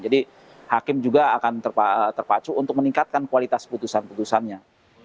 jadi hakim juga akan terpacu untuk meningkatkan kualitas putusan putusannya